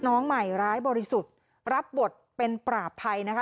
น้องใหม่ร้ายบริสุทธิ์รับบทเป็นปราบภัยนะคะ